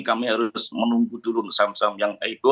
kami harus menunggu dulu saham saham yang epo